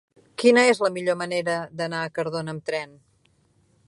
Quina és la millor manera d'anar a Cardona amb tren?